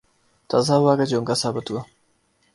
تازہ ہوا کا جھونکا ثابت ہوا